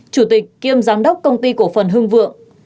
chủ tịch kiêm giám đốc công ty cổ phần hưng vượng